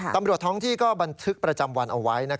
ตำรวจท้องที่ก็บันทึกประจำวันเอาไว้